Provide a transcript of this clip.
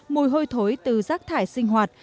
mùi hôi thối từ rác thải sinh hoạt